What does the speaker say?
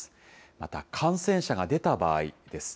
また感染者が出た場合です。